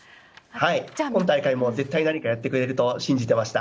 今大会も絶対何かやってくれると信じてました。